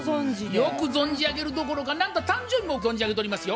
よく存じ上げるどころか誕生日も存じ上げておりますよ。